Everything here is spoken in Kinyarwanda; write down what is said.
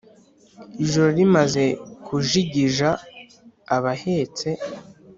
ijoro rimaze kujigija abahetse